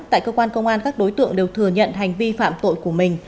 tại cơ quan công an các đối tượng đều thừa nhận hành vi phạm tội của mình